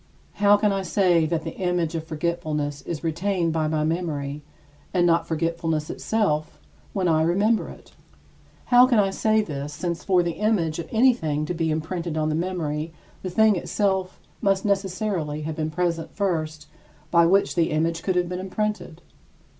How can I say that the image of forgetfulness is retained by my memory, and not forgetfulness itself, when I remember it? How can I say this, since for the image of anything to be imprinted on the memory the thing itself must necessarily have been present first by which the image could have been imprinted?